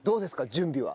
準備は。